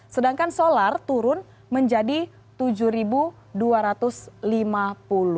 sedangkan solar turun menjadi rp tujuh dua ratus lima puluh